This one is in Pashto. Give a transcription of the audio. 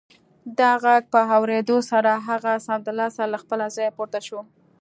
د غږ په اورېدو سره هغه سمدلاسه له خپله ځايه پورته شو